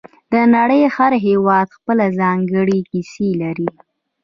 د نړۍ هر هېواد خپله ځانګړې کیسه لري